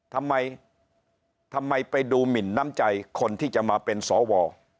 ทำไมทำไมไปดูหมินน้ำใจคนที่จะมาเป็นสว